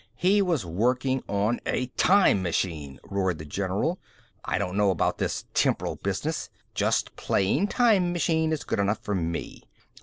"He was working on a time machine," roared the general. "I don't know about this 'temporal' business. Just plain 'time machine' is good enough for me."